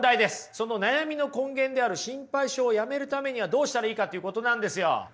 その悩みの根源である心配性をやめるためにはどうしたらいいかということなんですよ。